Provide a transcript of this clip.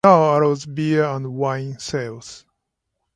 It now allows beer and wine sales.